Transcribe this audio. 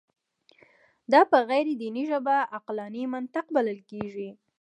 دا په غیر دیني ژبه عقلاني منطق بلل کېږي.